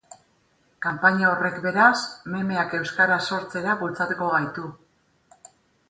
Kanpaina horrek, beraz, memeak euskaraz sortzera bultzatuko gaitu.